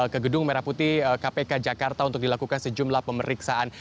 ke gedung merah putih kpk jakarta untuk dilakukan sejumlah pemeriksaan